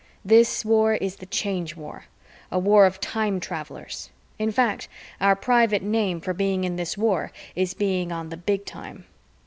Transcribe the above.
This war is the Change War, a war of time travelers in fact, our private name for being in this war is being on the Big Time.